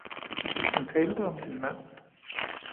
Hun talte om sin mand